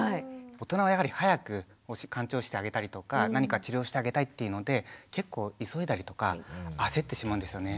大人はやはり早くかん腸してあげたりとか何か治療してあげたいっていうので結構急いだりとか焦ってしまうんですよね。